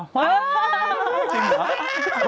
จริงเหรอ